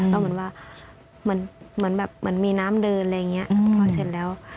ก็เหมือนว่าเหมือนมีน้ำเดินอะไรอย่างนี้